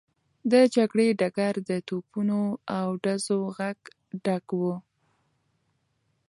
د جګړې ډګر د توپونو او ډزو غږ ډک و.